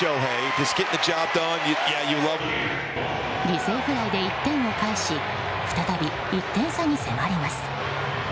犠牲フライで１点を返し再び１点差に迫ります。